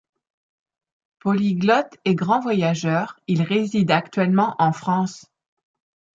Polyglotte et grand voyageur, il réside actuellement en France.